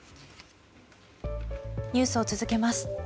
ニュースを続けます。